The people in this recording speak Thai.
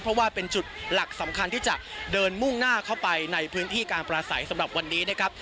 เพราะว่าเป็นจุดหลักสำคัญที่จะเดินมุ่งหน้าเข้าไปในพื้นที่การปราศัยสำหรับวันนี้นะครับ